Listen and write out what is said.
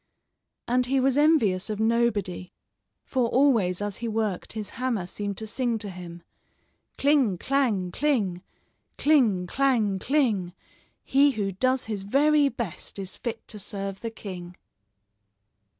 And he was envious of nobody, for always as he worked his hammer seemed to sing to him: "Cling, clang, cling! Cling, clang, cling! He who does his very best, Is fit to serve the king."